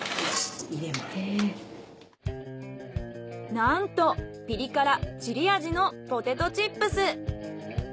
なんとピリ辛チリ味のポテトチップス。